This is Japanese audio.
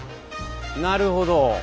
なるほど。